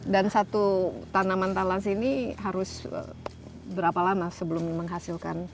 dan satu tanaman tales ini harus berapa lama sebelum menghasilkan